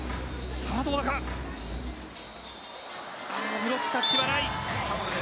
ブロックタッチはない。